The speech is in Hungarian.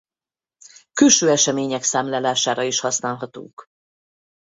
Külső események számlálására is használhatók.